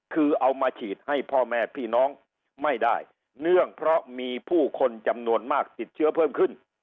คือเอามาฉีดให้พ่อแม่พี่น้องไม่ได้เนื่องเพราะมีผู้คนจำนวนมากติดเชื้อเพิ่มขึ้น